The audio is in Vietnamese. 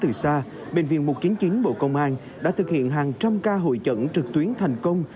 từ xa bệnh viện mục kiến chiến bộ công an đã thực hiện hàng trăm ca hội chẩn trực tuyến thành công